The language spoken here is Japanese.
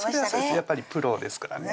やっぱりプロですからね